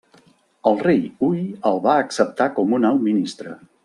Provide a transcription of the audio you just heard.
El Rei Hui el va acceptar com un alt ministre.